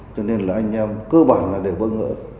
cho nên là anh em cơ bản là đều bơ ngỡ